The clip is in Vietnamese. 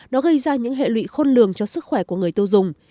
nó gây ra những hệ lụy khôn lường cho sức khỏe của người tiêu dùng